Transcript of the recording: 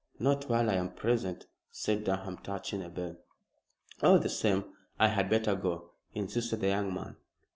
"Not while I am present," said Durham, touching a bell. "All the same I had better go," insisted the young man.